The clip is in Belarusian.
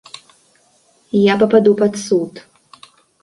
Я пападу пад суд.